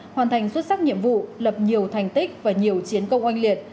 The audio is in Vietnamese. hoàn thành xuất sắc nhiệm vụ lập nhiều thành tích và nhiều chiến công oanh liệt